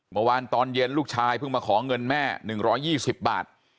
เมื่อวานตอนเย็นลูกชายเพิ่งมาขอเงินแม่๑๒๐บาท